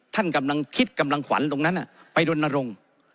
ท่านกำลังคิดกำลังขวัญตรงนั้นไปรณรงค์